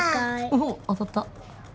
おおっ当たった。